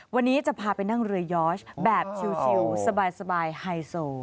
วันนี้จะพาไปนั่งเรือยอร์ชแบบชิลสบายไฮโซ